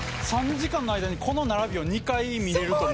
３時間の間にこの並びを２回見られるとは。